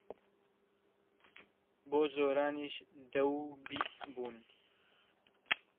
بۆ زۆرانیش دە و بیست بوو.